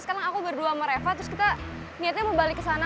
sekarang aku berdua sama reva terus kita niatnya mau balik ke sana